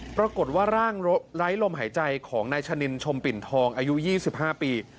ปรากฏว่าร่างไร้ลมหายใจของนายชะนินชมปิ่นทองอายุ๒๕ปี